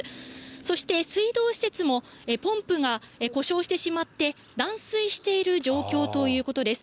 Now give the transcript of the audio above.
そして水道施設もポンプが故障してしまって、断水している状況ということです。